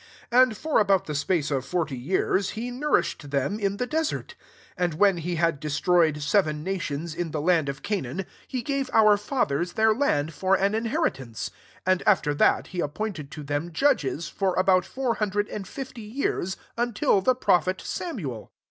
18 And for about the space of forty years, he nourbhed them in the desert. 19 And when he had destroyed seven nations in the land of Ca naan, he»gave (mr fn^hern their land for an inheritance. 20 And after that, he appointed ro them judges, for about four hun dred and fifty years, until the prophet Samuel.